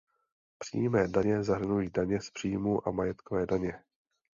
Přímé daně zahrnují daně z příjmu a majetkové daně.